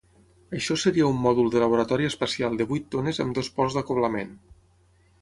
Això seria un mòdul de laboratori espacial de vuit tones amb dos ports d'acoblament.